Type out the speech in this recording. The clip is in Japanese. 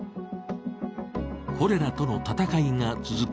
コレラとの戦いが続く